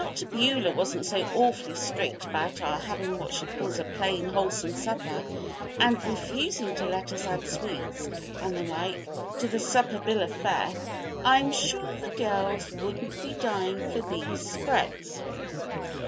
"We ell " "They all do it. If Dr. Beulah wasn't so awfully strict about our having what she calls a 'plain, wholesome supper,' and refusing to let us add sweets, and the like, to the supper bill of fare, I'm sure the girls wouldn't be dying for these spreads."